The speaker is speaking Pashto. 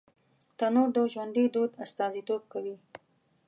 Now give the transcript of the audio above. تنور د ژوندي دود استازیتوب کوي